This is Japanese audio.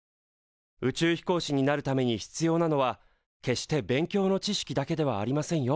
宇宙飛行士になるために必要なのは決して勉強の知識だけではありませんよ。